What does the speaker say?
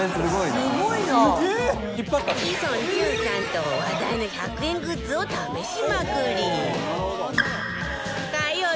志尊淳さんと話題の１００円グッズを試しまくり